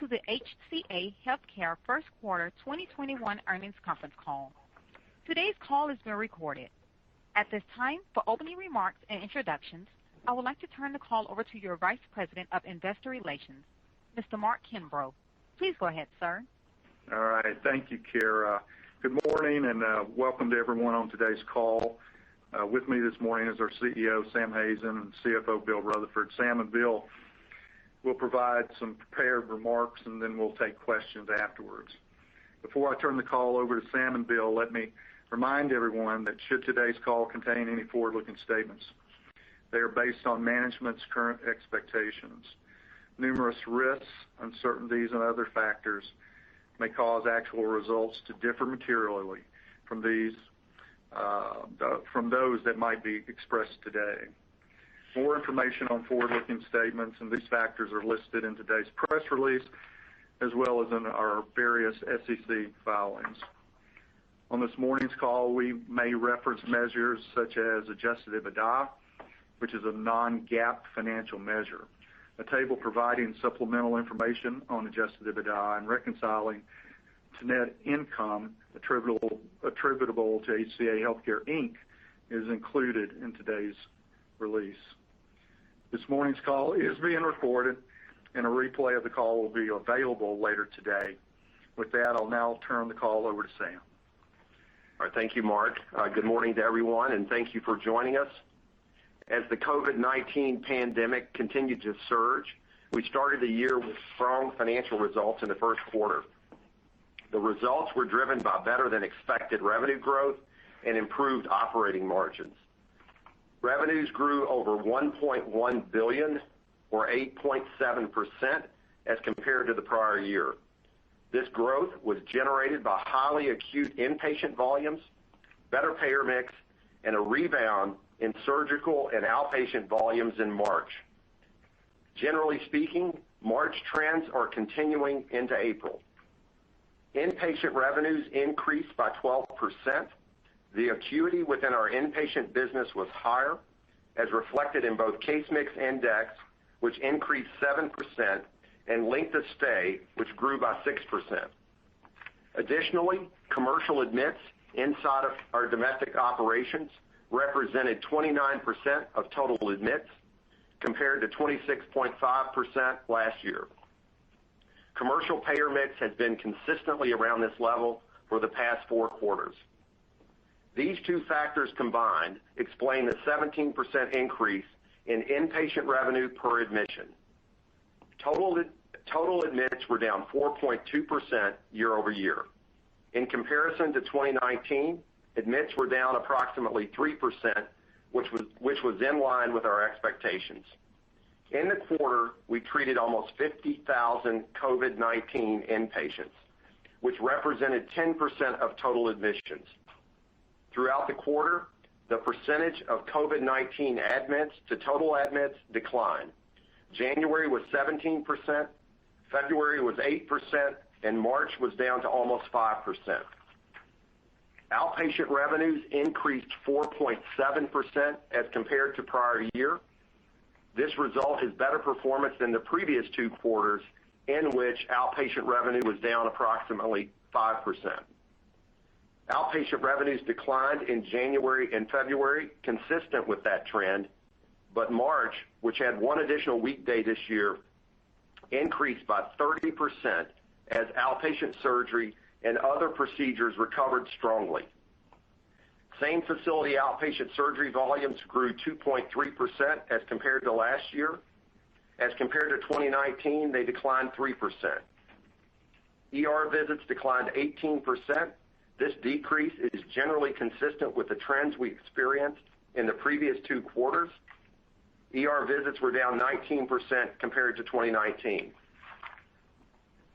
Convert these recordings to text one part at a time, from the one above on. To the Healthcare first quarter 2021 earnings conference call. Today's call is being recorded. At this time, for opening remarks and introductions, I would like to turn the call over to your Vice President of Investor Relations, Mr. Mark Kimbrough. Please go ahead, sir. All right. Thank you, Kira. Good morning, and welcome to everyone on today's call. With me this morning is our CEO, Sam Hazen, and CFO, Bill Rutherford. Sam and Bill will provide some prepared remarks, and then we'll take questions afterwards. Before I turn the call over to Sam and Bill, let me remind everyone that should today's call contain any forward-looking statements, they are based on management's current expectations. Numerous risks, uncertainties, and other factors may cause actual results to differ materially from those that might be expressed today. More information on forward-looking statements and these factors are listed in today's press release, as well as in our various SEC filings. On this morning's call, we may reference measures such as Adjusted EBITDA, which is a non-GAAP financial measure. A table providing supplemental information on Adjusted EBITDA and reconciling to net income attributable to HCA Healthcare, Inc. is included in today's release. This morning's call is being recorded, and a replay of the call will be available later today. With that, I'll now turn the call over to Sam. All right. Thank you, Mark. Good morning to everyone. Thank you for joining us. As the COVID-19 pandemic continued to surge, we started the year with strong financial results in the first quarter. The results were driven by better than expected revenue growth and improved operating margins. Revenues grew over $1.1 billion or 8.7% as compared to the prior year. This growth was generated by highly acute inpatient volumes, better payer mix, and a rebound in surgical and outpatient volumes in March. Generally speaking, March trends are continuing into April. Inpatient revenues increased by 12%. The acuity within our inpatient business was higher, as reflected in both case mix index, which increased 7%, and length of stay, which grew by 6%. Commercial admits inside of our domestic operations represented 29% of total admits, compared to 26.5% last year. Commercial payer mix has been consistently around this level for the past four quarters. These two factors combined explain the 17% increase in inpatient revenue per admission. Total admits were down 4.2% year-over-year. In comparison to 2019, admits were down approximately 3%, which was in line with our expectations. In the quarter, we treated almost 50,000 COVID-19 inpatients, which represented 10% of total admissions. Throughout the quarter, the percentage of COVID-19 admits to total admits declined. January was 17%, February was 8%, and March was down to almost 5%. Outpatient revenues increased 4.7% as compared to prior year. This result is better performance than the previous two quarters in which outpatient revenue was down approximately 5%. March, which had one additional weekday this year, increased by 30% as outpatient surgery and other procedures recovered strongly. Same-facility outpatient surgery volumes grew 2.3% as compared to last year. As compared to 2019, they declined 3%. ER visits declined 18%. This decrease is generally consistent with the trends we experienced in the previous two quarters. ER visits were down 19% compared to 2019.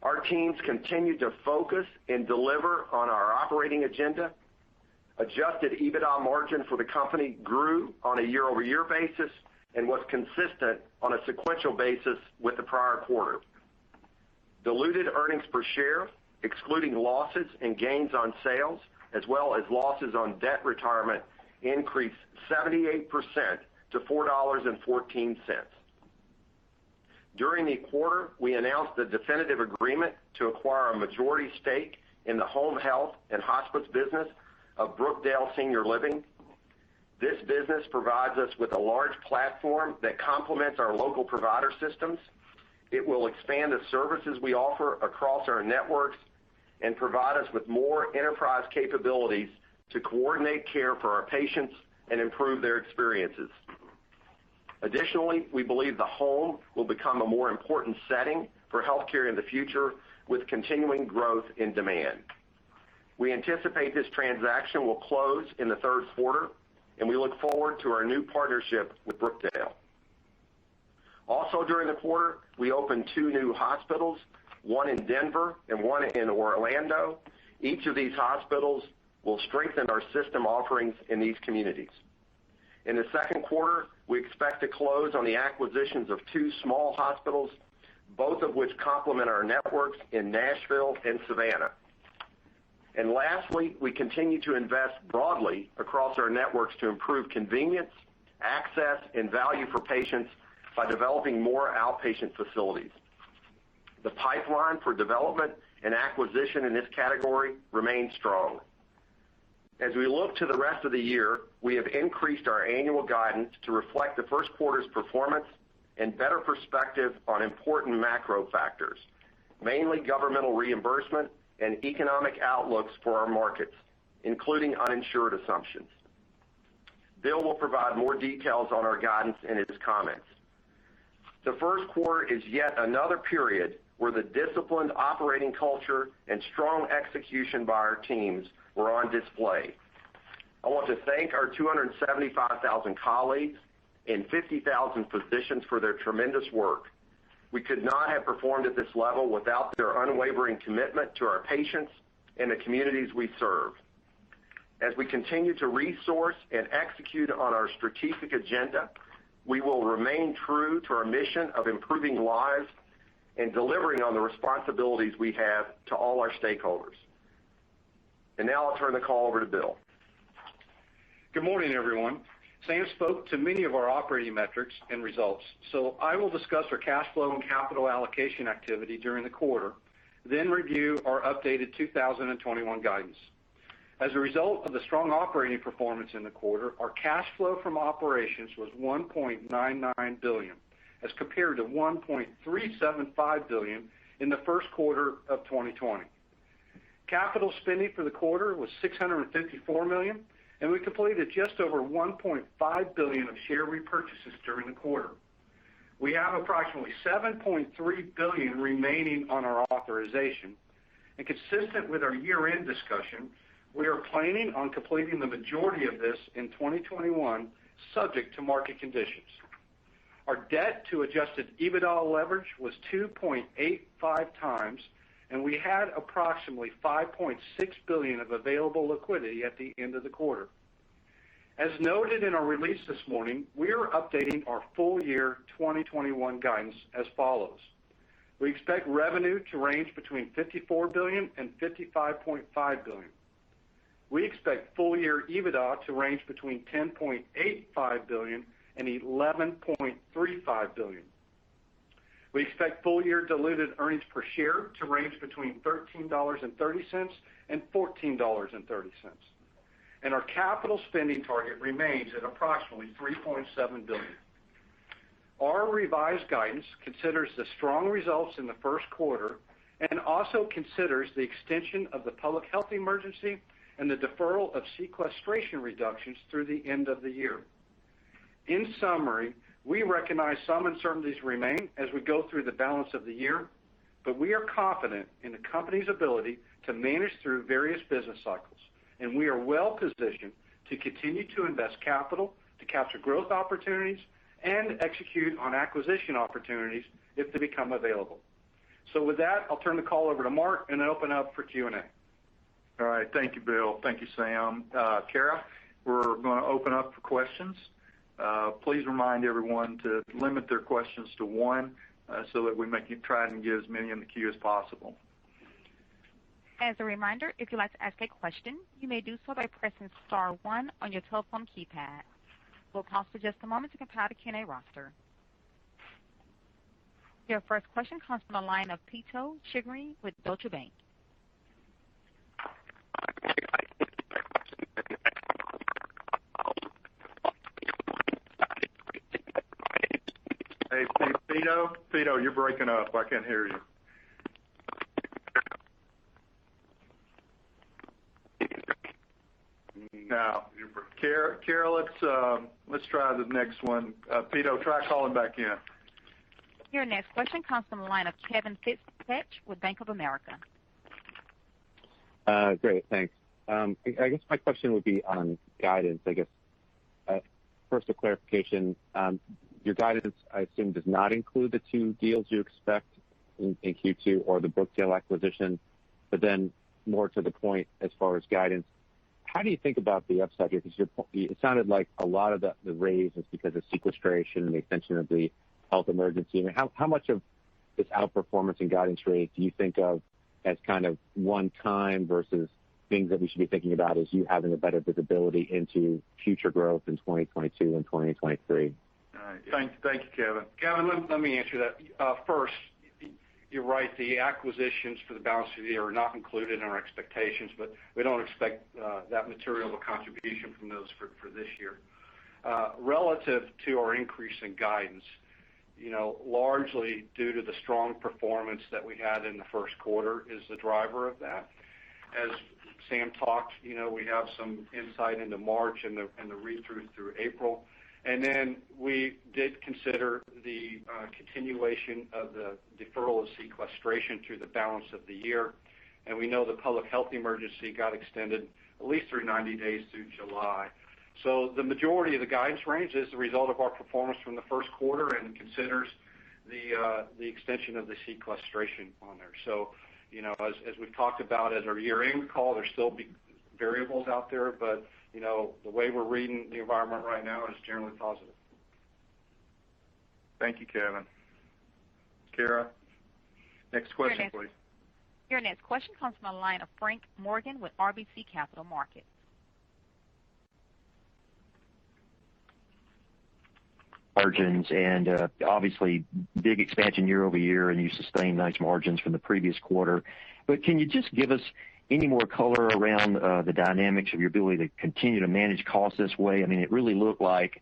Our teams continued to focus and deliver on our operating agenda. Adjusted EBITDA margin for the company grew on a year-over-year basis and was consistent on a sequential basis with the prior quarter. Diluted earnings per share, excluding losses and gains on sales, as well as losses on debt retirement, increased 78% to $4.14. During the quarter, we announced the definitive agreement to acquire a majority stake in the home health and hospice business of Brookdale Senior Living. This business provides us with a large platform that complements our local provider systems. It will expand the services we offer across our networks and provide us with more enterprise capabilities to coordinate care for our patients and improve their experiences. Additionally, we believe the home will become a more important setting for healthcare in the future, with continuing growth in demand. We anticipate this transaction will close in the third quarter, and we look forward to our new partnership with Brookdale. During the quarter, we opened two new hospitals, one in Denver and one in Orlando. Each of these hospitals will strengthen our system offerings in these communities. In the second quarter, we expect to close on the acquisitions of two small hospitals, both of which complement our networks in Nashville and Savannah. Lastly, we continue to invest broadly across our networks to improve convenience, access, and value for patients by developing more outpatient facilities. The pipeline for development and acquisition in this category remains strong. As we look to the rest of the year, we have increased our annual guidance to reflect the first quarter's performance and better perspective on important macro factors, mainly governmental reimbursement and economic outlooks for our markets, including uninsured assumptions. Bill will provide more details on our guidance in his comments. The first quarter is yet another period where the disciplined operating culture and strong execution by our teams were on display. I want to thank our 275,000 colleagues and 50,000 physicians for their tremendous work. We could not have performed at this level without their unwavering commitment to our patients and the communities we serve. As we continue to resource and execute on our strategic agenda, we will remain true to our mission of improving lives and delivering on the responsibilities we have to all our stakeholders. Now I'll turn the call over to Bill. Good morning, everyone. Sam spoke to many of our operating metrics and results. I will discuss our cash flow and capital allocation activity during the quarter. Review our updated 2021 guidance. As a result of the strong operating performance in the quarter, our cash flow from operations was $1.99 billion as compared to $1.375 billion in the first quarter of 2020. Capital spending for the quarter was $654 million. We completed just over $1.5 billion of share repurchases during the quarter. We have approximately $7.3 billion remaining on our authorization. Consistent with our year-end discussion, we are planning on completing the majority of this in 2021, subject to market conditions. Our debt to Adjusted EBITDA leverage was 2.85x. We had approximately $5.6 billion of available liquidity at the end of the quarter. As noted in our release this morning, we are updating our full-year 2021 guidance as follows. We expect revenue to range between $54 billion and $55.5 billion. We expect full-year EBITDA to range between $10.85 billion and $11.35 billion. We expect full-year diluted earnings per share to range between $13.30 and $14.30. Our capital spending target remains at approximately $3.7 billion. Our revised guidance considers the strong results in the first quarter and also considers the extension of the public health emergency and the deferral of sequestration reductions through the end of the year. In summary, we recognize some uncertainties remain as we go through the balance of the year, but we are confident in the company's ability to manage through various business cycles, and we are well-positioned to continue to invest capital, to capture growth opportunities, and execute on acquisition opportunities if they become available. With that, I'll turn the call over to Mark and then open up for Q&A. All right. Thank you, Bill. Thank you, Sam. Kara, we're going to open up for questions. Please remind everyone to limit their questions to one so that we try and get as many in the queue as possible. As a reminder, if you'd like to ask a question, you may do so by pressing star one on your telephone keypad. We'll pause for just a moment to compile the Q&A roster. Your first question comes from the line of Pito Chickering with Deutsche Bank. Hey, Pito? Pito, you're breaking up. I can't hear you. No. Kara, let's try the next one. Pito, try calling back in. Your next question comes from the line of Kevin Fischbeck with Bank of America. Great, thanks. My question would be on guidance. First a clarification. Your guidance, I assume, does not include the two deals you expect in Q2 or the Brookdale acquisition. More to the point as far as guidance, how do you think about the upside here? It sounded like a lot of the raise is because of sequestration and the extension of the public health emergency. How much of this outperformance and guidance rate do you think of as one-time versus things that we should be thinking about as you having a better visibility into future growth in 2022 and 2023? All right. Thank you, Kevin. Kevin, let me answer that. First, you're right, the acquisitions for the balance of the year are not included in our expectations, but we don't expect that material of a contribution from those for this year. Relative to our increase in guidance, largely due to the strong performance that we had in the first quarter is the driver of that. As Sam talked, we have some insight into March and the read-through through April. We did consider the continuation of the deferral of sequestration through the balance of the year, and we know the public health emergency got extended at least through 90 days through July. The majority of the guidance range is the result of our performance from the first quarter and considers the extension of the sequestration on there. As we've talked about at our year-end call, there's still variables out there, but the way we're reading the environment right now is generally positive. Thank you, Kevin. Kara, next question, please. Your next question comes from the line of Frank Morgan with RBC Capital Markets. Margins, and obviously big expansion year-over-year, and you sustained nice margins from the previous quarter. Can you just give us any more color around the dynamics of your ability to continue to manage costs this way? It really looked like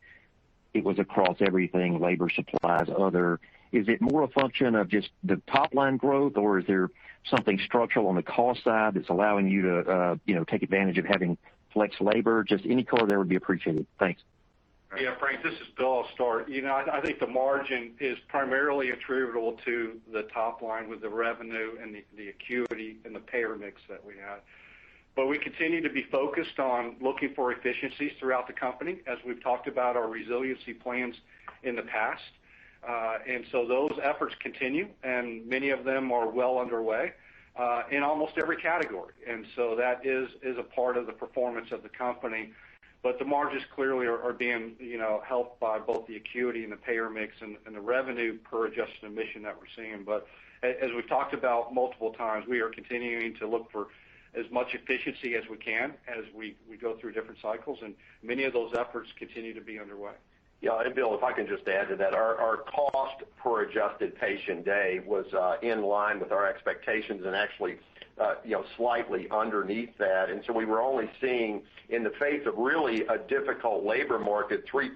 it was across everything, labor, supplies, other. Is it more a function of just the top-line growth, or is there something structural on the cost side that's allowing you to take advantage of having flex labor? Just any color there would be appreciated. Thanks. Frank, this is Bill. I think the margin is primarily attributable to the top line with the revenue and the acuity and the payer mix that we had. We continue to be focused on looking for efficiencies throughout the company, as we've talked about our resiliency plans in the past. Those efforts continue, and many of them are well underway, in almost every category. That is a part of the performance of the company. The margins clearly are being helped by both the acuity and the payer mix and the revenue per adjusted admission that we're seeing. As we've talked about multiple times, we are continuing to look for as much efficiency as we can as we go through different cycles, and many of those efforts continue to be underway. Yeah. Bill, if I can just add to that. Our cost per adjusted patient day was in line with our expectations and actually slightly underneath that. We were only seeing, in the face of really a difficult labor market, 3%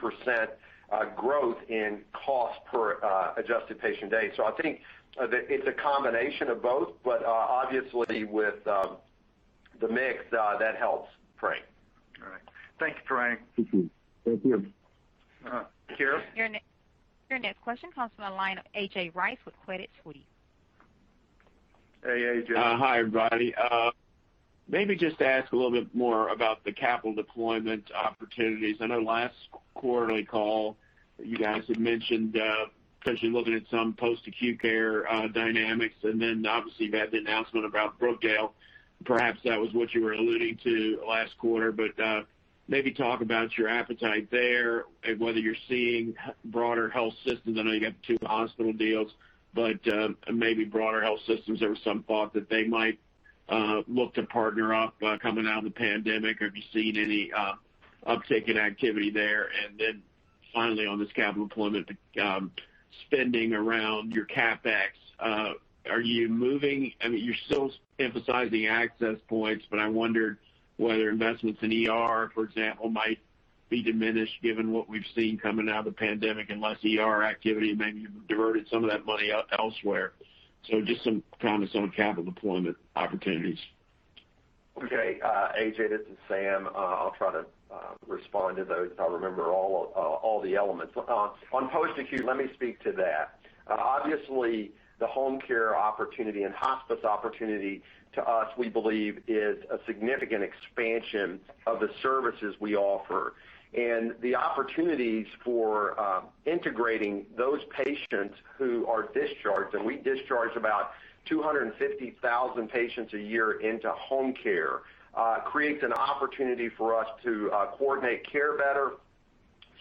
growth in cost per adjusted patient day. I think that it's a combination of both, but obviously with the mix, that helps, Frank. All right. Thank you, Frank. Thank you. Kara? Your next question comes from the line of A.J. Rice with Credit Suisse. Hey, A.J. Rice. Hi, everybody. Just to ask a little bit more about the capital deployment opportunities. I know last quarterly call, you guys had mentioned potentially looking at some post-acute care dynamics. Obviously you had the announcement about Brookdale. Perhaps that was what you were alluding to last quarter. Maybe talk about your appetite there and whether you're seeing broader health systems. I know you got two hospital deals. Maybe broader health systems. There was some thought that they might look to partner up coming out of the pandemic. Have you seen any uptick in activity there? Finally, on this capital deployment, the spending around your CapEx. You're still emphasizing access points, I wondered whether investments in ER, for example, might be diminished given what we've seen coming out of the pandemic and less ER activity, maybe you've diverted some of that money out elsewhere. Just some comments on capital deployment opportunities. Okay. A.J., this is Sam. I'll try to respond to those if I remember all the elements. On post-acute, let me speak to that. Obviously, the home care opportunity and hospice opportunity to us, we believe, is a significant expansion of the services we offer. The opportunities for integrating those patients who are discharged, and we discharge about 250,000 patients a year into home care, creates an opportunity for us to coordinate care better,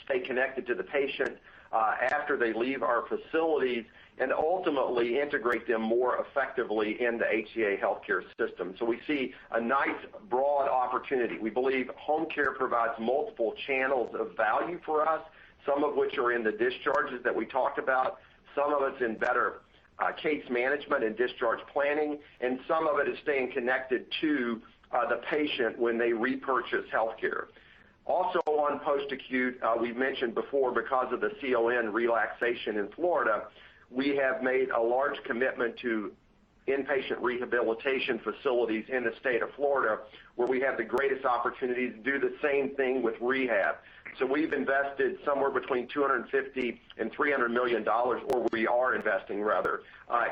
stay connected to the patient after they leave our facilities, and ultimately integrate them more effectively in the HCA Healthcare system. We see a nice broad opportunity. We believe home care provides multiple channels of value for us, some of which are in the discharges that we talked about. Some of it's in better case management and discharge planning, and some of it is staying connected to the patient when they repurchase healthcare. On post-acute, we mentioned before, because of the CON relaxation in Florida, we have made a large commitment to inpatient rehabilitation facilities in the state of Florida, where we have the greatest opportunity to do the same thing with rehab. We've invested somewhere between $250 and $300 million, or we are investing rather,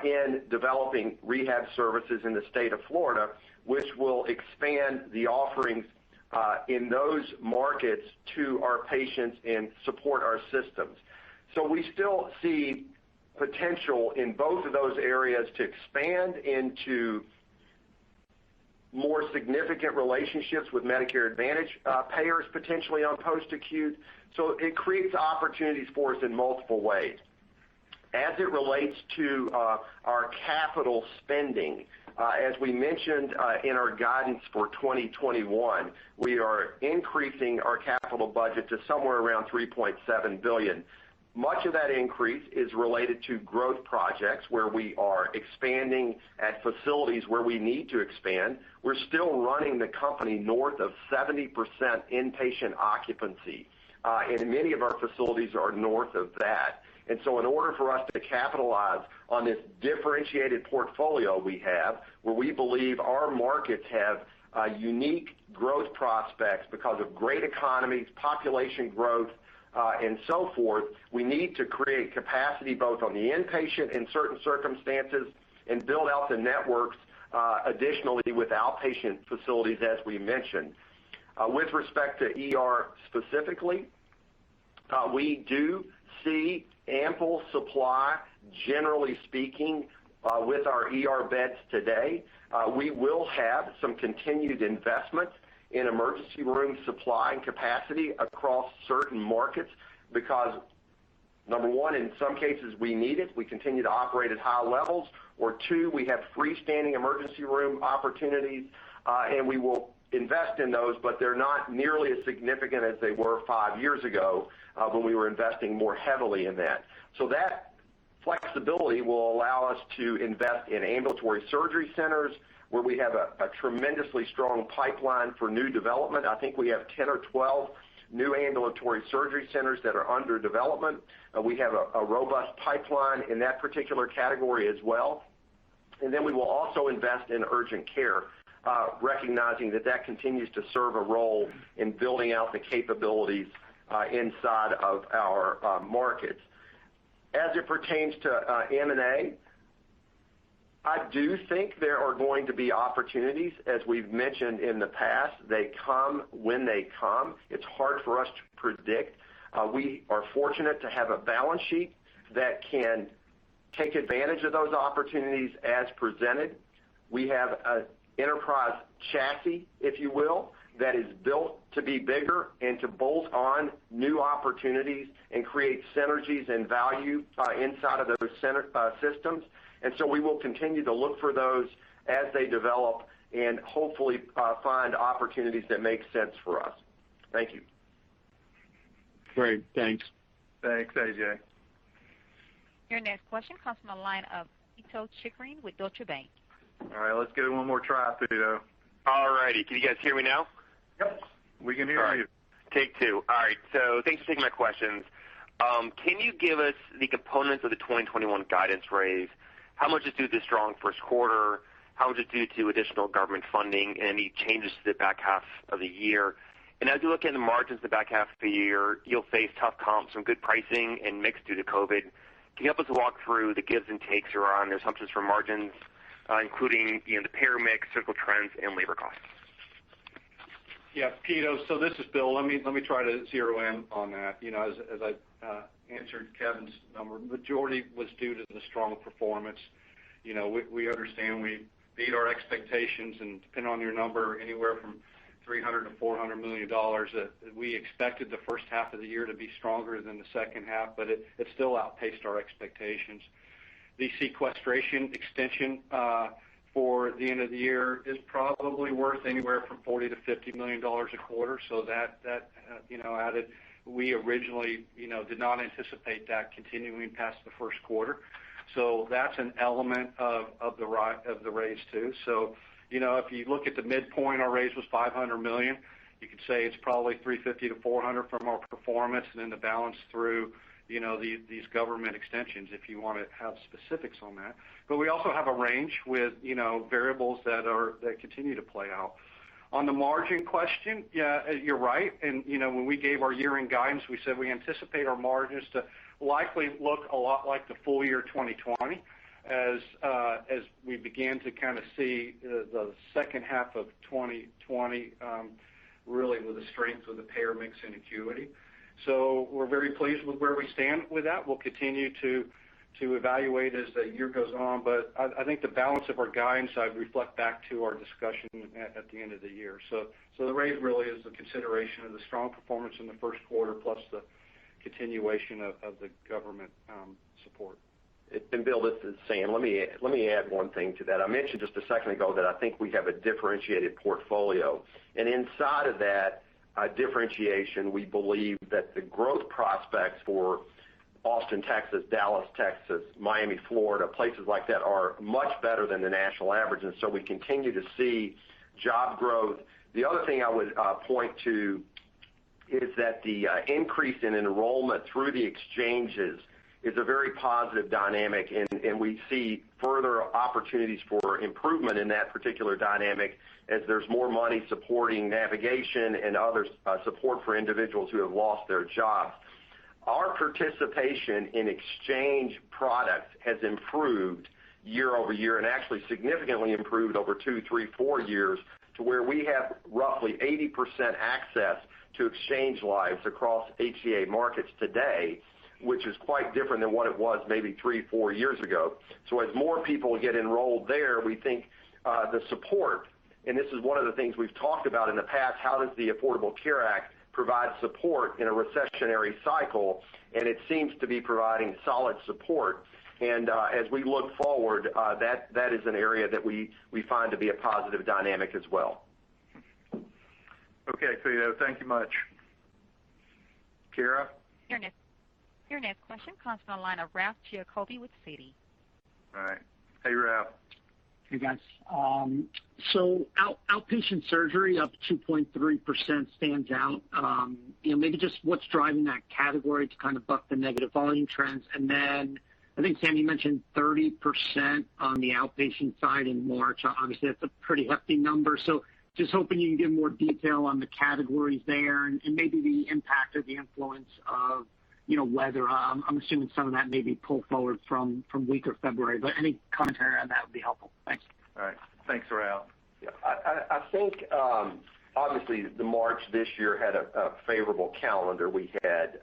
in developing rehab services in the state of Florida, which will expand the offerings in those markets to our patients and support our systems. We still see potential in both of those areas to expand into more significant relationships with Medicare Advantage payers, potentially on post-acute. It creates opportunities for us in multiple ways. As it relates to our capital spending, as we mentioned in our guidance for 2021, we are increasing our capital budget to somewhere around $3.7 billion. Much of that increase is related to growth projects where we are expanding at facilities where we need to expand. We're still running the company north of 70% inpatient occupancy. Many of our facilities are north of that. In order for us to capitalize on this differentiated portfolio we have, where we believe our markets have unique growth prospects because of great economies, population growth, and so forth, we need to create capacity both on the inpatient in certain circumstances and build out the networks additionally with outpatient facilities, as we mentioned. With respect to ER specifically, we do see ample supply, generally speaking, with our ER beds today. We will have some continued investment in emergency room supply and capacity across certain markets because number 1, in some cases, we need it. We continue to operate at high levels. We have freestanding emergency room opportunities, and we will invest in those, but they're not nearly as significant as they were five years ago when we were investing more heavily in that. That flexibility will allow us to invest in ambulatory surgery centers, where we have a tremendously strong pipeline for new development. I think we have 10 or 12 new ambulatory surgery centers that are under development. We have a robust pipeline in that particular category as well. Then we will also invest in urgent care, recognizing that that continues to serve a role in building out the capabilities inside of our markets. As it pertains to M&A, I do think there are going to be opportunities. As we've mentioned in the past, they come when they come. It's hard for us to predict. We are fortunate to have a balance sheet that can take advantage of those opportunities as presented. We have an enterprise chassis, if you will, that is built to be bigger and to bolt on new opportunities and create synergies and value inside of those systems. We will continue to look for those as they develop and hopefully find opportunities that make sense for us. Thank you. Great. Thanks. Thanks, A.J. Your next question comes from the line of Pito Chickering with Deutsche Bank. All right. Let's give it one more try, Pito. All right. Can you guys hear me now? Yep. We can hear you. All right. Take two. All right. Thanks for taking my questions. Can you give us the components of the 2021 guidance raise? How much is due to the strong first quarter? How much is due to additional government funding? Any changes to the back half of the year? As you look into margins the back half of the year, you'll face tough comps from good pricing and mix due to COVID-19. Can you help us walk through the gives and takes around the assumptions for margins, including the payer mix, clinical trends, and labor costs? Yeah, Pito. This is Bill. Let me try to zero in on that. As I answered Kevin's number, the majority was due to the strong performance. We understand we beat our expectations and, depending on your number, anywhere from $300 million-$400 million that we expected the first half of the year to be stronger than the second half, but it still outpaced our expectations. The sequestration extension for the end of the year is probably worth anywhere from $40 million-$50 million a quarter. That added. We originally did not anticipate that continuing past the first quarter. That's an element of the raise, too. If you look at the midpoint, our raise was $500 million. You could say it's probably $350 million-$400 million from our performance, and then the balance through these government extensions, if you want to have specifics on that. We also have a range with variables that continue to play out. On the margin question, yeah, you're right. When we gave our year-end guidance, we said we anticipate our margins to likely look a lot like the full year 2020, as we began to see the second half of 2020, really with the strength of the payer mix in acuity. We're very pleased with where we stand with that. We'll continue to evaluate as the year goes on. I think the balance of our guidance, I'd reflect back to our discussion at the end of the year. The raise really is a consideration of the strong performance in the first quarter plus the continuation of the government support. Bill, this is Sam. Let me add one thing to that. I mentioned just a second ago that I think we have a differentiated portfolio. Inside of that differentiation, we believe that the growth prospects for Austin, Texas, Dallas, Texas, Miami, Florida, places like that, are much better than the national average. We continue to see job growth. The other thing I would point to is that the increase in enrollment through the exchanges is a very positive dynamic, and we see further opportunities for improvement in that particular dynamic as there's more money supporting navigation and other support for individuals who have lost their jobs. Our participation in exchange products has improved year-over-year and actually significantly improved over two, three, four years to where we have roughly 80% access to exchange lives across HCA markets today, which is quite different than what it was maybe three, four years ago. As more people get enrolled there, we think the support, and this is one of the things we've talked about in the past, how does the Affordable Care Act provide support in a recessionary cycle? It seems to be providing solid support. As we look forward, that is an area that we find to be a positive dynamic as well. Okay, Pito. Thank you much. Kira? Your next question comes from the line of Ralph Giacobbe with Citi. All right. Hey, Ralph. Hey, guys. Outpatient surgery up 2.3% stands out. Maybe just what's driving that category to kind of buck the negative volume trends? I think, Sam, you mentioned 30% on the outpatient side in March. Obviously, that's a pretty hefty number. Just hoping you can give more detail on the categories there and maybe the impact or the influence of weather. I'm assuming some of that may be pulled forward from weaker February, any commentary on that would be helpful. Thanks. All right. Thanks, Ralph. Yeah. I think, obviously, the March this year had a favorable calendar. We had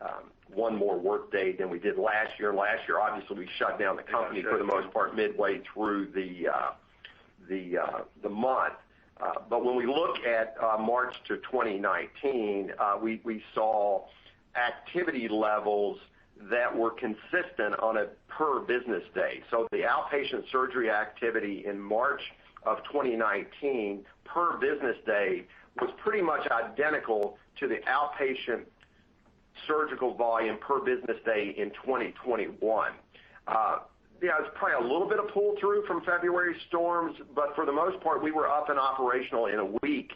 one more work day than we did last year. Last year, obviously, we shut down the company for the most part midway through the. the month. When we look at March to 2019, we saw activity levels that were consistent on a per business day. The outpatient surgery activity in March of 2019 per business day was pretty much identical to the outpatient surgical volume per business day in 2021. Yeah, it was probably a little bit of pull through from February storms, but for the most part, we were up and operational in a week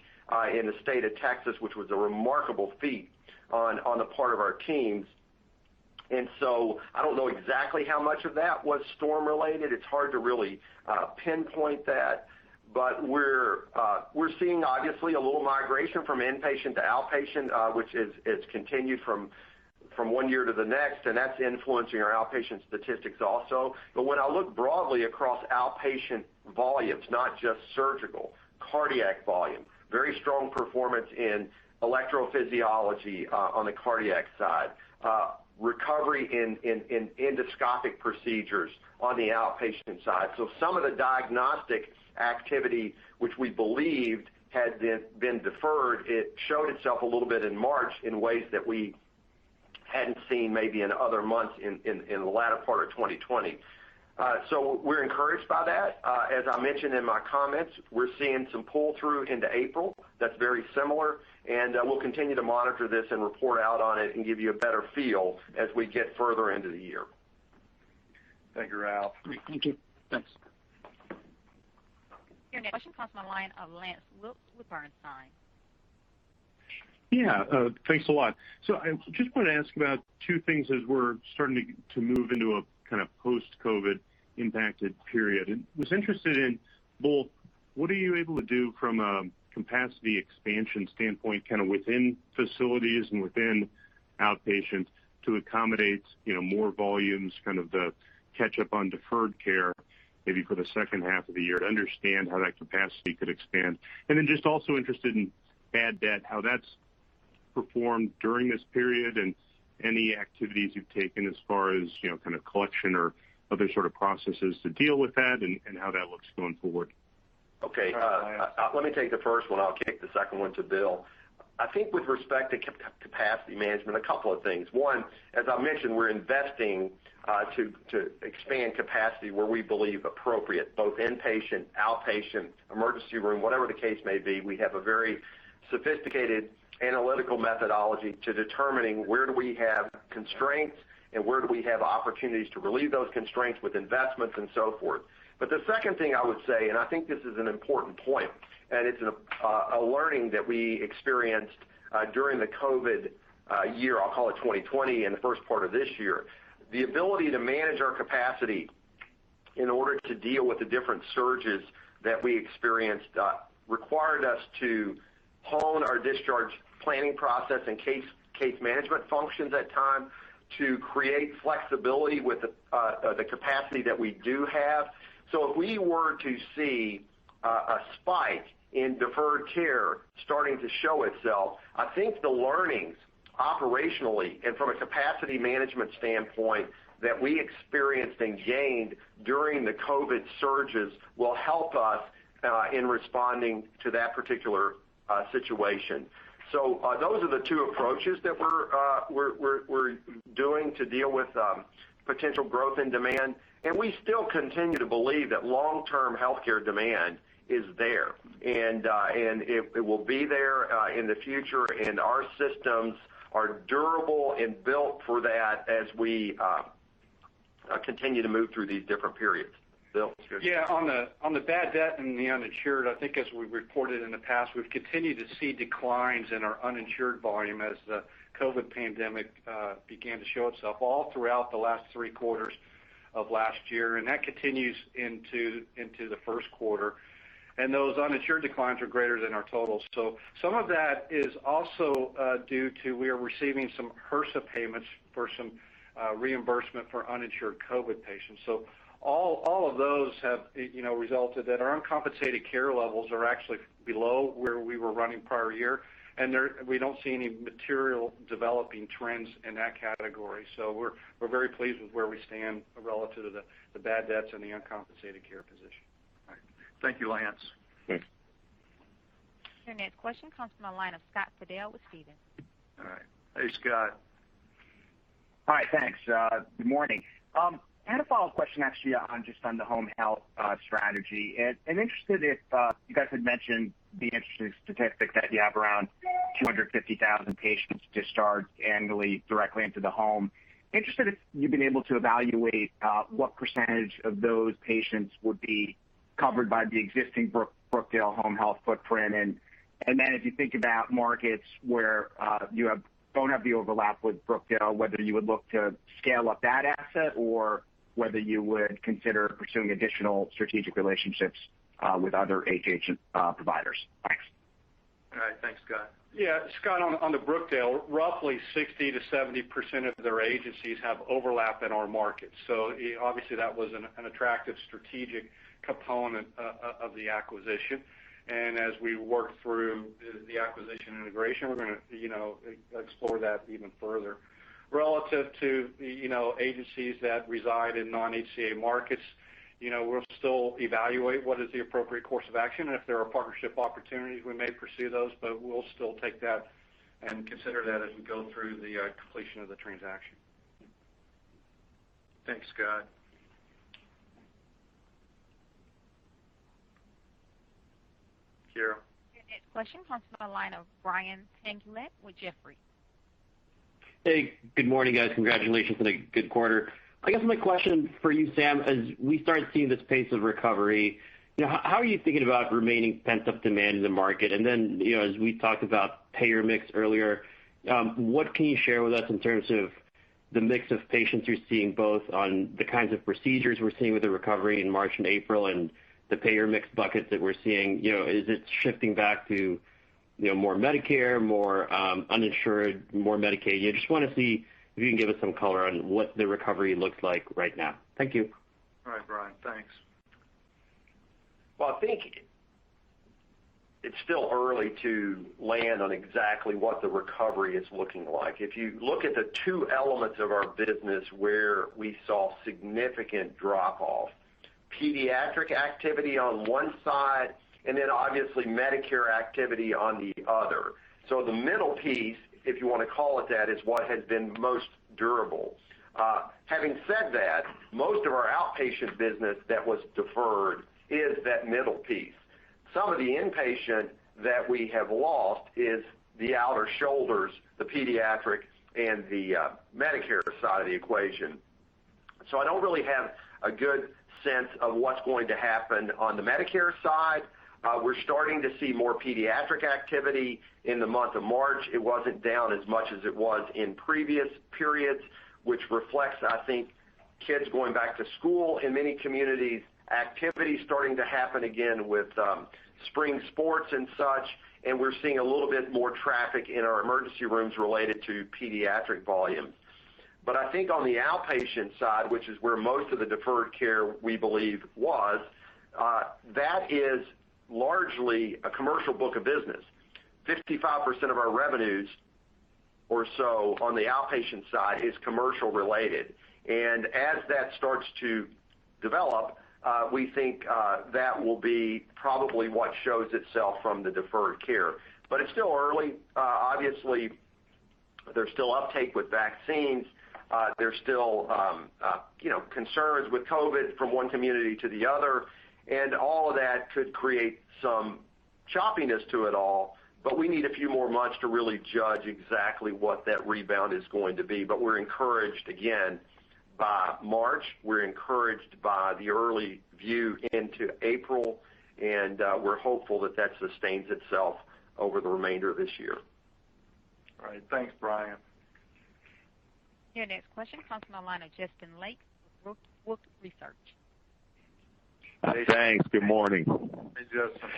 in the state of Texas, which was a remarkable feat on the part of our teams. I don't know exactly how much of that was storm related. It's hard to really pinpoint that. We're seeing, obviously, a little migration from inpatient to outpatient, which has continued from one year to the next, and that's influencing our outpatient statistics also. When I look broadly across outpatient volumes, not just surgical, cardiac volume, very strong performance in electrophysiology on the cardiac side, recovery in endoscopic procedures on the outpatient side. Some of the diagnostic activity which we believed had been deferred, it showed itself a little bit in March in ways that we hadn't seen maybe in other months in the latter part of 2020. We're encouraged by that. As I mentioned in my comments, we're seeing some pull-through into April that's very similar, and we'll continue to monitor this and report out on it and give you a better feel as we get further into the year. Thank you, Ralph. Great. Thank you. Thanks. Your next question comes from the line of Lance Wilkes with Bernstein. Yeah. Thanks a lot. I just want to ask about two things as we're starting to move into a post-COVID impacted period. I was interested in both what are you able to do from a capacity expansion standpoint, kind of within facilities and within outpatient to accommodate more volumes, kind of the catch up on deferred care maybe for the second half of the year, to understand how that capacity could expand. I was just also interested in bad debt, how that's performed during this period, and any activities you've taken as far as, kind of collection or other sort of processes to deal with that and how that looks going forward. Okay. Let me take the first one. I'll kick the second one to Bill. I think with respect to capacity management, a couple of things. One, as I mentioned, we're investing to expand capacity where we believe appropriate, both inpatient, outpatient, emergency room, whatever the case may be. We have a very sophisticated analytical methodology to determining where do we have constraints and where do we have opportunities to relieve those constraints with investments and so forth. The second thing I would say, and I think this is an important point, and it's a learning that we experienced during the COVID year, I'll call it 2020, and the first part of this year. The ability to manage our capacity in order to deal with the different surges that we experienced required us to hone our discharge planning process and case management functions at times to create flexibility with the capacity that we do have. If we were to see a spike in deferred care starting to show itself, I think the learnings operationally and from a capacity management standpoint that we experienced and gained during the COVID surges will help us in responding to that particular situation. Those are the two approaches that we're doing to deal with potential growth in demand, and we still continue to believe that long-term healthcare demand is there, and it will be there in the future, and our systems are durable and built for that as we continue to move through these different periods. Bill. Yeah. On the bad debt and the uninsured, I think as we reported in the past, we've continued to see declines in our uninsured volume as the COVID pandemic began to show itself all throughout the last three quarters of last year, and that continues into the first quarter. Those uninsured declines are greater than our total. Some of that is also due to, we are receiving some HRSA payments for some reimbursement for uninsured COVID patients. All of those have resulted that our uncompensated care levels are actually below where we were running prior year, and we don't see any material developing trends in that category. We're very pleased with where we stand relative to the bad debts and the uncompensated care position. All right. Thank you, Lance. Thanks. Your next question comes from the line of Scott Fidel with Stephens. All right. Hey, Scott. Hi, thanks. Good morning. Kind of a follow-up question actually on just on the home health strategy. I'm interested if, you guys had mentioned the interesting statistic that you have around 250,000 patients discharged annually directly into the home. I'm interested if you've been able to evaluate what % of those patients would be covered by the existing Brookdale home health footprint, then if you think about markets where you don't have the overlap with Brookdale, whether you would look to scale up that asset or whether you would consider pursuing additional strategic relationships with other HH providers. Thanks. All right. Thanks, Scott. Scott, on the Brookdale, roughly 60%-70% of their agencies have overlap in our markets. Obviously that was an attractive strategic component of the acquisition. As we work through the acquisition integration, we're going to explore that even further. Relative to agencies that reside in non-HCA markets, we'll still evaluate what is the appropriate course of action, and if there are partnership opportunities, we may pursue those, but we'll still take that and consider that as we go through the completion of the transaction. Thanks, Scott. Kara. Your next question comes from the line of Brian Tanquilut with Jefferies. Hey, good morning, guys. Congratulations on a good quarter. I guess my question for you, Sam, as we start seeing this pace of recovery, how are you thinking about remaining pent-up demand in the market? Then, as we talked about payer mix earlier, what can you share with us in terms of the mix of patients you're seeing, both on the kinds of procedures we're seeing with the recovery in March and April and the payer mix buckets that we're seeing. Is it shifting back to more Medicare, more uninsured, more Medicaid? I just want to see if you can give us some color on what the recovery looks like right now. Thank you. All right, Brian, thanks. I think it's still early to land on exactly what the recovery is looking like. If you look at the two elements of our business where we saw significant drop-off, pediatric activity on one side, and then obviously Medicare activity on the other. The middle piece, if you want to call it that, is what has been most durable. Having said that, most of our outpatient business that was deferred is that middle piece. Some of the inpatient that we have lost is the outer shoulders, the pediatric and the Medicare side of the equation. I don't really have a good sense of what's going to happen on the Medicare side. We're starting to see more pediatric activity in the month of March. It wasn't down as much as it was in previous periods, which reflects, I think, kids going back to school in many communities, activities starting to happen again with spring sports and such, and we're seeing a little bit more traffic in our emergency rooms related to pediatric volume. I think on the outpatient side, which is where most of the deferred care we believe was, that is largely a commercial book of business. 55% of our revenues or so on the outpatient side is commercial related. As that starts to develop, we think that will be probably what shows itself from the deferred care. It's still early. Obviously, there's still uptake with vaccines. There's still concerns with COVID from one community to the other, all of that could create some choppiness to it all. We need a few more months to really judge exactly what that rebound is going to be. We're encouraged again by March, we're encouraged by the early view into April, and we're hopeful that that sustains itself over the remainder of this year. All right. Thanks, Brian. Your next question comes from the line of Justin Lake with Wolfe Research. Thanks. Good morning. Hey, Justin.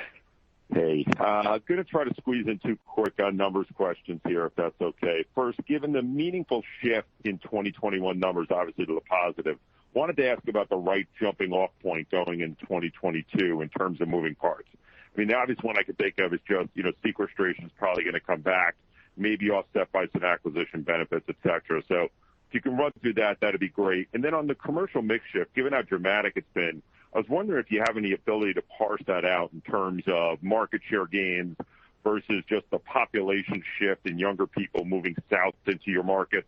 Hey. I'm going to try to squeeze in two quick numbers questions here, if that's okay. First, given the meaningful shift in 2021 numbers, obviously to the positive, wanted to ask about the right jumping off point going into 2022 in terms of moving parts. I mean, the obvious one I can think of is just sequestration is probably going to come back, maybe offset by some acquisition benefits, et cetera. If you can run through that'd be great. Then on the commercial mix shift, given how dramatic it's been, I was wondering if you have any ability to parse that out in terms of market share gains versus just the population shift in younger people moving south into your markets,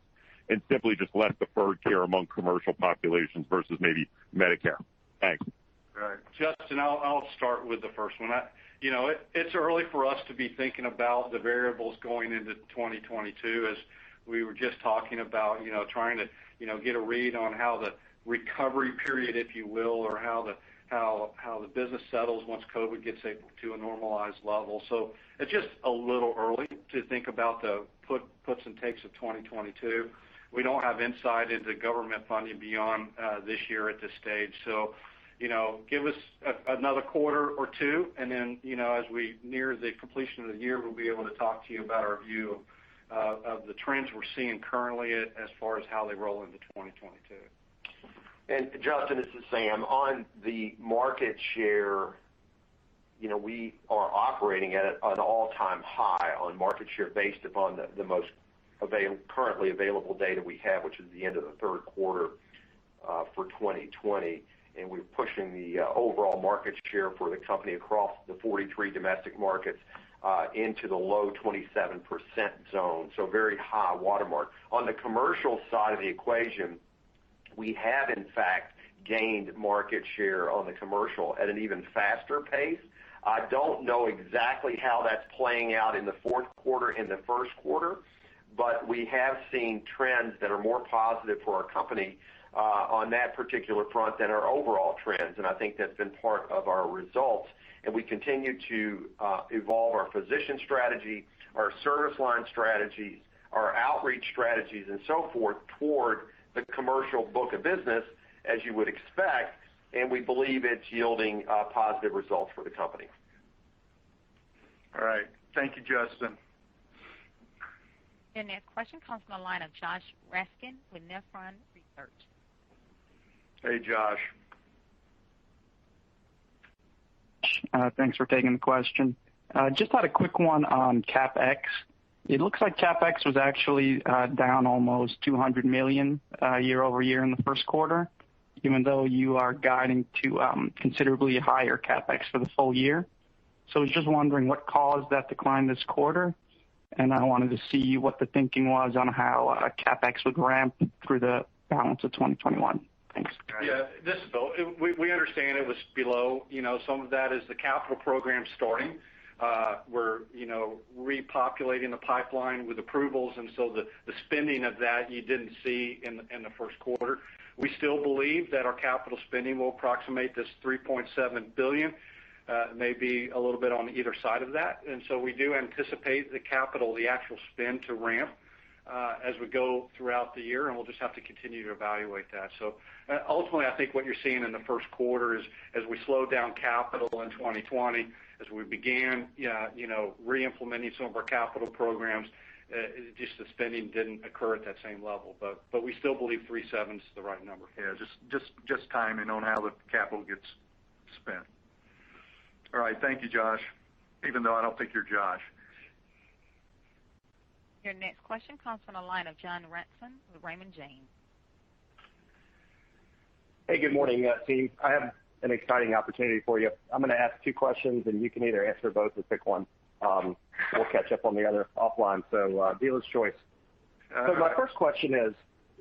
and simply just less deferred care among commercial populations versus maybe Medicare. Thanks. All right. Justin, I'll start with the first one. It's early for us to be thinking about the variables going into 2022, as we were just talking about trying to get a read on how the recovery period, if you will, or how the business settles once COVID-19 gets to a normalized level. It's just a little early to think about the puts and takes of 2022. We don't have insight into government funding beyond this year at this stage, so give us another quarter or two, and then as we near the completion of the year, we'll be able to talk to you about our view of the trends we're seeing currently as far as how they roll into 2022. Justin, this is Sam. On the market share, we are operating at an all-time high on market share based upon the most currently available data we have, which is the end of the third quarter for 2020. We're pushing the overall market share for the company across the 43 domestic markets into the low 27% zone, so very high watermark. On the commercial side of the equation, we have in fact gained market share on the commercial at an even faster pace. I don't know exactly how that's playing out in the fourth quarter and the first quarter, we have seen trends that are more positive for our company on that particular front than our overall trends, I think that's been part of our results. We continue to evolve our physician strategy, our service line strategies, our outreach strategies, and so forth toward the commercial book of business, as you would expect, and we believe it's yielding positive results for the company. All right. Thank you, Justin. Your next question comes from the line of Josh Raskin with Nephron Research. Hey, Josh. Thanks for taking the question. Just had a quick one on CapEx. It looks like CapEx was actually down almost $200 million year-over-year in the first quarter, even though you are guiding to considerably higher CapEx for the full year. I was just wondering what caused that decline this quarter, and I wanted to see what the thinking was on how CapEx would ramp through the balance of 2021. Thanks. Yeah. This is Bill. We understand it was below. Some of that is the capital program starting. We're repopulating the pipeline with approvals, the spending of that you didn't see in the first quarter. We still believe that our capital spending will approximate this $3.7 billion, maybe a little bit on either side of that. We do anticipate the capital, the actual spend to ramp, as we go throughout the year, and we'll just have to continue to evaluate that. Ultimately, I think what you're seeing in the first quarter is as we slowed down capital in 2020, as we began re-implementing some of our capital programs, just the spending didn't occur at that same level. We still believe $3.7 billion is the right number. Yeah, just timing on how the capital gets spent. All right. Thank you, Josh, even though I don't think you're Josh. Your next question comes from the line of John Ransom with Raymond James. Hey, good morning, team. I have an exciting opportunity for you. I'm going to ask two questions, and you can either answer both or pick one. We'll catch up on the other offline, so dealer's choice. All right. My first question is,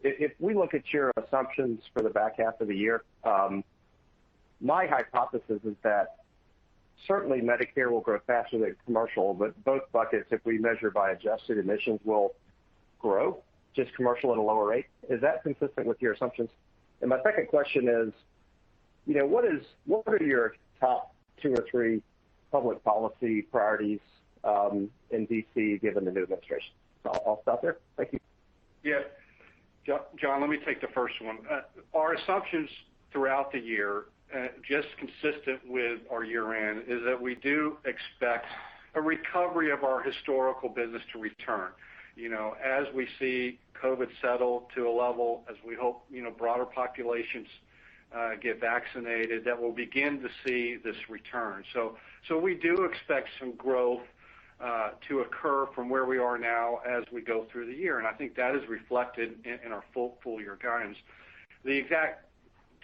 if we look at your assumptions for the back half of the year, my hypothesis is that certainly Medicare will grow faster than commercial, but both buckets, if we measure by adjusted admissions, will grow, just commercial at a lower rate. Is that consistent with your assumptions? My second question is, what are your top two or three public policy priorities, in D.C., given the new administration? I'll stop there. Thank you. Yeah. John, let me take the first one. Our assumptions throughout the year, just consistent with our year-end, is that we do expect a recovery of our historical business to return. As we see COVID settle to a level, as we hope broader populations get vaccinated, that we'll begin to see this return. We do expect some growth to occur from where we are now as we go through the year, and I think that is reflected in our full year guidance. The exact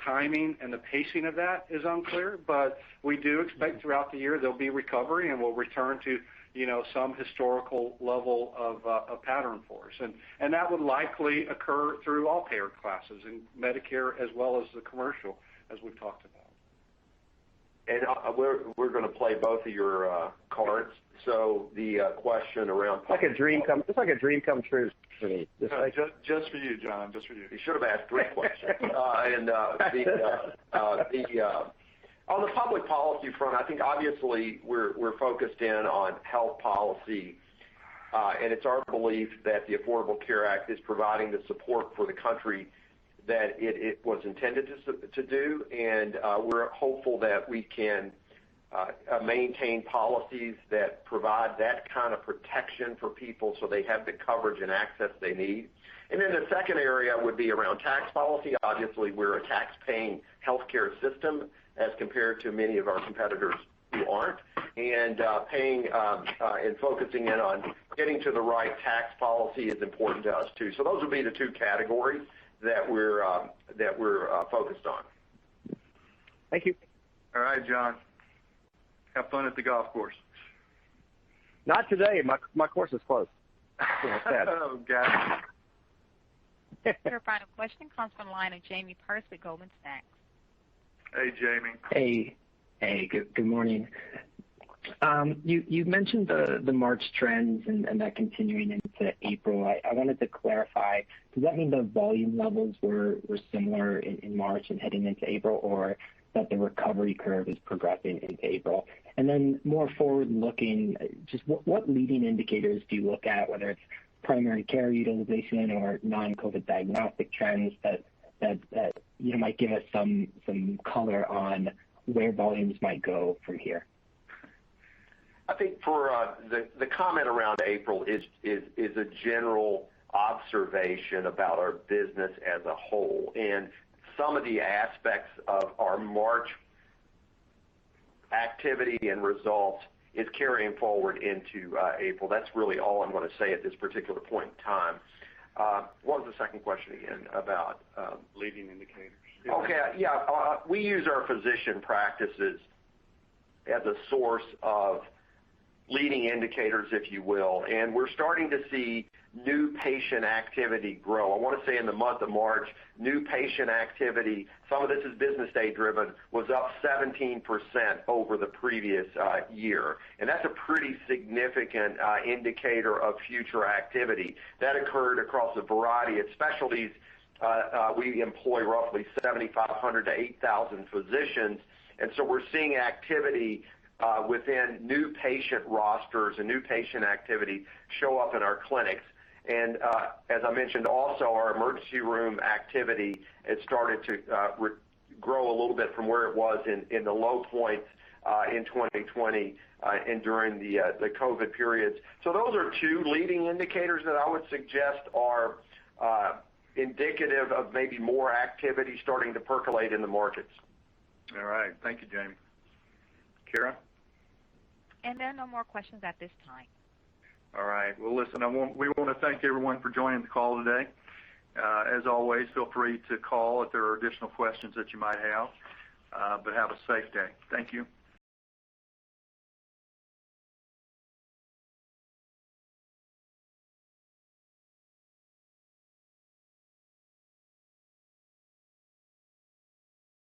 timing and the pacing of that is unclear, but we do expect throughout the year there'll be recovery, and we'll return to some historical level of pattern for us. That would likely occur through all payer classes in Medicare as well as the commercial, as we've talked about. We're going to play both of your cards. The question around- It's like a dream come true for me. Just for you, John. Just for you. You should have asked three questions. On the public policy front, I think obviously we're focused in on health policy. It's our belief that the Affordable Care Act is providing the support for the country that it was intended to do. We're hopeful that we can maintain policies that provide that kind of protection for people so they have the coverage and access they need. The second area would be around tax policy. Obviously, we're a tax-paying healthcare system as compared to many of our competitors who aren't. Paying, and focusing in on getting to the right tax policy is important to us, too. Those would be the two categories that we're focused on. Thank you. All right, John. Have fun at the golf course. Not today. My course is closed. It's sad. Oh, gosh. Your final question comes from the line of Jamie Perse at Goldman Sachs. Hey, Jamie. Hey. Good morning. You've mentioned the March trends and that continuing into April. I wanted to clarify, does that mean the volume levels were similar in March and heading into April, or that the recovery curve is progressing into April? More forward-looking, just what leading indicators do you look at, whether it's primary care utilization or non-COVID diagnostic trends that might give us some color on where volumes might go from here? I think the comment around April is a general observation about our business as a whole, and some of the aspects of our March activity and results is carrying forward into April. That's really all I'm going to say at this particular point in time. What was the second question again about? Leading indicators. Okay. Yeah. We use our physician practices as a source of leading indicators, if you will. We're starting to see new patient activity grow. I want to say in the month of March, new patient activity, some of this is business day driven, was up 17% over the previous year. That's a pretty significant indicator of future activity. That occurred across a variety of specialties. We employ roughly 7,500 to 8,000 physicians. We're seeing activity within new patient rosters and new patient activity show up in our clinics. As I mentioned also, our emergency room activity has started to grow a little bit from where it was in the low points, in 2020, and during the COVID-19 periods. Those are two leading indicators that I would suggest are indicative of maybe more activity starting to percolate in the markets. All right. Thank you, Jamie. Kara? There are no more questions at this time. All right. Well, listen, we want to thank everyone for joining the call today. As always, feel free to call if there are additional questions that you might have. Have a safe day. Thank you.